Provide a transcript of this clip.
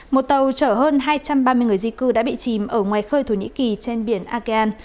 một tàu chở hơn hai trăm ba mươi người di cư đã bị chìm ở ngoài khơi thổ nhĩ kỳ trên biển akian